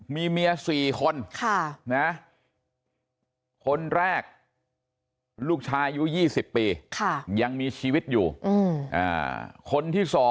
มีเมีย๔คนคนแรกลูกชายอายุ๒๐ปียังมีชีวิตอยู่คนที่๒